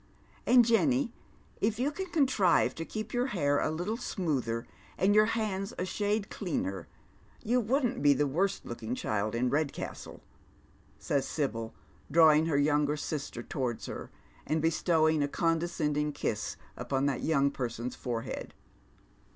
And, Jenny, if you could contrive to keep your hair a little smoother, and your hands a shade cleaner, you wouldn't be the worst lookinpj child in Redcastle," says Sibyl, drawin;^ her younger sister to wards her, and besto^v^ng a condescending kiss upon that young person's forehead.